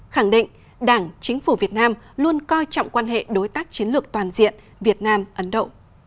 khẳng định đảng chính phủ việt nam luôn coi trọng quan hệ đối tác chiến lược toàn diện việt nam ấn độ